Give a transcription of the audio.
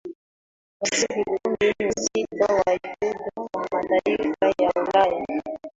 waziri kumi na sita wa fedha wa mataifa ya ulaya